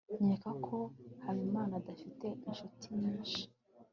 nkeka ko habimana adafite inshuti nyinshi